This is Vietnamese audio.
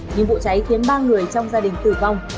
nhưng vụ cháy khiến ba người trong gia đình tử vong